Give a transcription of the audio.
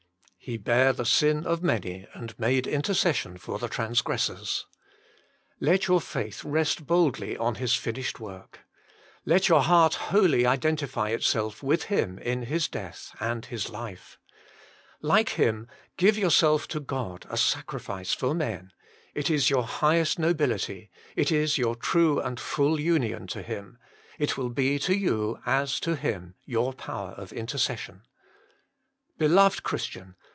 " He bare the sin of many, and made intercession for the transgressors." Let your faith rest boldly on His finished work. Let your heart wholly identify itself with Him in His death and His life. Like Him, give yourself to God a sacrifice for men : it is your highest nobility, it is your true and full union to Him ; it will be to you, as to Him, your power of intercession. Beloved Christian